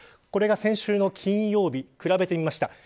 これが先週の金曜日比べてみました。